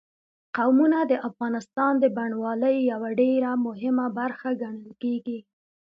قومونه د افغانستان د بڼوالۍ یوه ډېره مهمه برخه ګڼل کېږي.